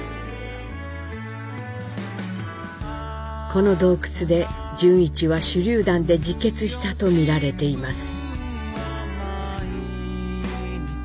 この洞窟で潤一は手りゅう弾で自決したと見られています。